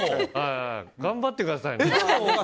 頑張ってください。